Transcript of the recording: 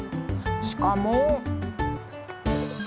しかも。